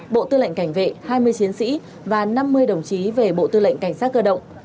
bộ tư lệnh cảnh vệ hai mươi chiến sĩ và năm mươi đồng chí về bộ tư lệnh cảnh sát cơ động